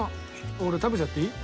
俺食べちゃっていい？